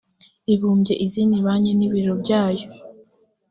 ibumbye izindi banki n ibiro byayo